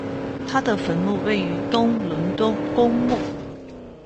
他的坟墓位于东伦敦公墓。